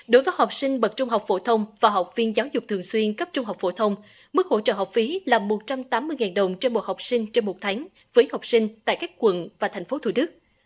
đối với học sinh bậc trung học phổ thông và học viên giáo dục thường xuyên cấp trung học phổ thông mức hỗ trợ học phí là một trăm tám mươi đồng trên một học sinh trên một tháng với học sinh tại các quận và tp thủ đức